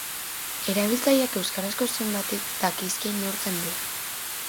Erabiltzaileak euskarazko zenbat hitz dakizkien neurtzen du.